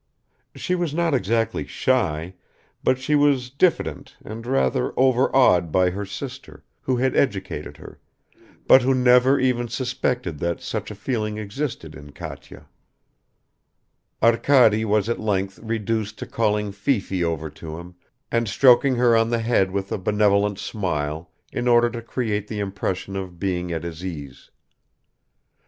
She was not exactly shy, but she was diffident and rather overawed by her sister, who had educated her, but who never even suspected that such a feeling existed in Katya. Arkady was at length reduced to calling Fifi over to him and stroking her on the head with a benevolent smile in order to create the impression of being at his ease.